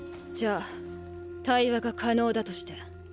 じゃあ対話が可能だとして